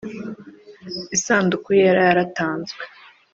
Isanduku yera yaratanzwe